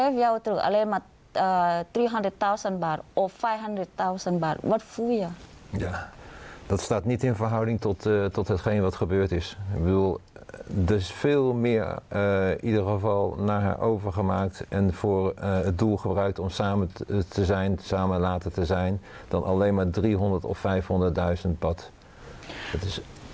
เพราะว่าเธออยากให้เงินแต่เธอสามารถให้เงินแค่๓๐๐๐๐๐บาทหรือ๕๐๐๐๐๐บาทมีความรู้สึกยังไง